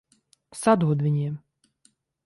Sadod viņiem!